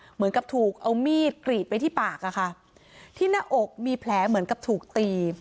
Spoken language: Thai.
เหมือนกับถูกเอามีดกรีดไปที่ปากอะค่ะที่หน้าอกมีแผลเหมือนกับถูกตี